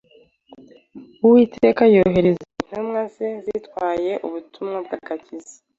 Uwiteka yohereza intumwa ze zitwaye ubutumwa bw’agakiza